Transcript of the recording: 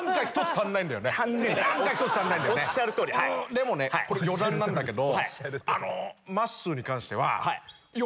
でもねこれ余談なんだけど。